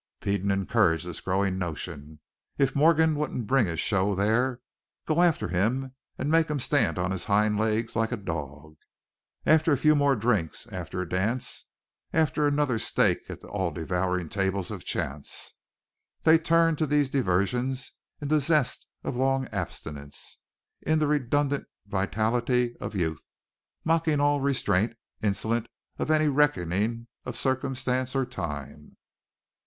Peden encouraged this growing notion. If Morgan wouldn't bring his show there, go after him and make him stand on his hind legs like a dog. After a few more drinks, after a dance, after another stake on the all devouring tables of chance. They turned to these diversions in the zest of long abstinence, in the redundant vitality of youth, mocking all restraint, insolent of any reckoning of circumstance or time.